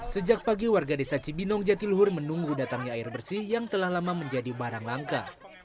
sejak pagi warga desa cibinong jatiluhur menunggu datangnya air bersih yang telah lama menjadi barang langka